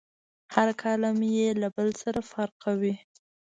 هر کالم یې له بل سره فرق کوي.